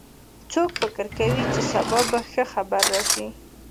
څوک فکر کوي چې سبا به ښه خبر راشي